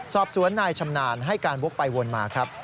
สอบสวนนายชำนาญให้การวกไปวนมาครับ